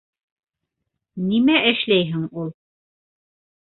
Нимә эшләйһең ул...